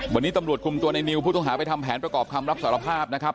วันนี้ตำรวจคุมตัวในนิวผู้ต้องหาไปทำแผนประกอบคำรับสารภาพนะครับ